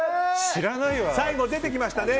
最後出てきましたね。